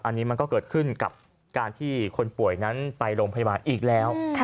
อันนี้มันก็เกิดขึ้นกับการที่คนป่วยนั้นไปโรงพยาบาลอีกแล้ว